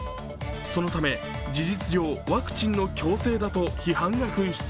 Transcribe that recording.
そのため事実上、ワクチンの強制だと批判が噴出。